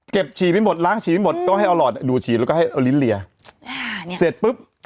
ฉี่ไม่หมดล้างฉี่ไม่หมดก็ให้เอาหลอดดูฉีดแล้วก็ให้เอาลิ้นเลียเสร็จปุ๊บ